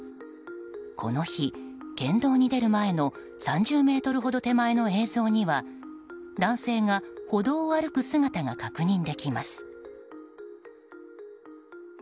この日、県道に出る前の３０ｍほど手前の映像には男性が歩道を歩く姿が確認できます。